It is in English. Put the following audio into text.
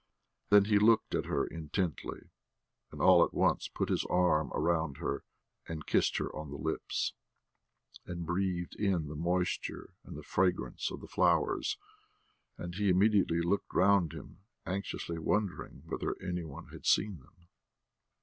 Then he looked at her intently, and all at once put his arm round her and kissed her on the lips, and breathed in the moisture and the fragrance of the flowers; and he immediately looked round him, anxiously wondering whether any one had seen them.